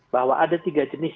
bahwa ada tiga jenis